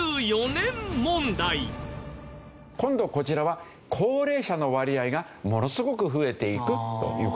今度こちらは高齢者の割合がものすごく増えていくという事になるんですね。